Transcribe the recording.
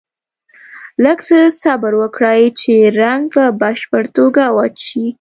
لږ څه صبر وکړئ چې رنګ په بشپړه توګه وچ شي.